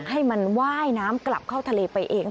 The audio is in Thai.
ให้มันว่ายน้ำกลับเข้าทะเลไปเอง